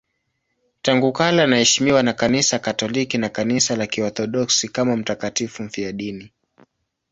Tangu kale anaheshimiwa na Kanisa Katoliki na Kanisa la Kiorthodoksi kama mtakatifu mfiadini.